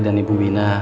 dan ibu wina